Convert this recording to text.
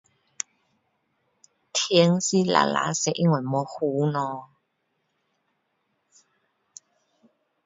天是蓝蓝色因为没云咯